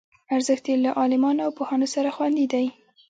ارزښت یې له عالمانو او پوهانو سره خوندي دی.